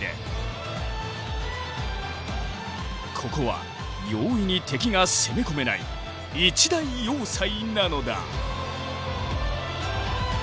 ここは容易に敵が攻め込めない一大要塞なのだ。